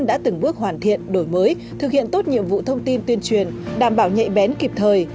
đã từng bước hoàn thiện đổi mới thực hiện tốt nhiệm vụ thông tin tuyên truyền đảm bảo nhạy bén kịp thời